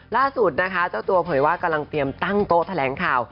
ล่าสุดนะคะเจ้าตัวเผยว่ากำลังเตรียมตั้งโต๊ะแถลงข่าว